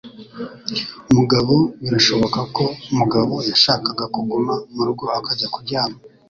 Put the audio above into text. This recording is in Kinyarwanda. Mugabo birashoboka ko Mugabo yashakaga kuguma murugo akajya kuryama.